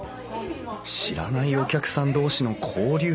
知らないお客さん同士の交流。